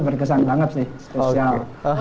berkesan banget sih spesial